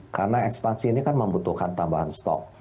karena ekspansi ini kan membutuhkan tambahan stok